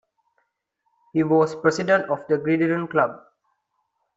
He was president of the Gridiron Club.